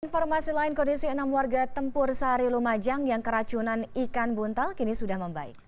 informasi lain kondisi enam warga tempur sari lumajang yang keracunan ikan buntal kini sudah membaik